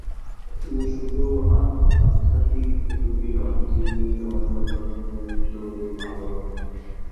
তিনি শুধু আধ্যাত্মিক গুরুই নন, তিনি জন্মজন্মান্তরের মা, বাবা ও বন্ধু।